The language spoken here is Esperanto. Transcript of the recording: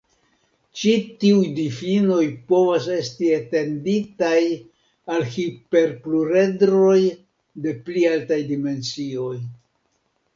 Ĉi tiuj difinoj povas esti etenditaj al hiperpluredroj de pli altaj dimensioj.